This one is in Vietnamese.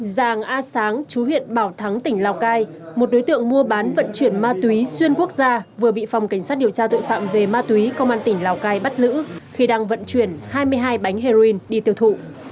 giàng a sáng chú huyện bảo thắng tỉnh lào cai một đối tượng mua bán vận chuyển ma túy xuyên quốc gia vừa bị phòng cảnh sát điều tra tội phạm về ma túy công an tỉnh lào cai bắt giữ khi đang vận chuyển hai mươi hai bánh heroin đi tiêu thụ